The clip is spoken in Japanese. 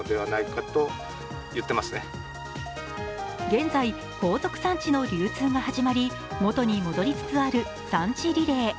現在、後続産地の流通が始まり元に戻りつつある産地リレー。